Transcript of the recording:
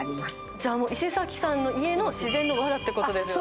じゃあ伊勢崎さんの家の自然のわらってことですね。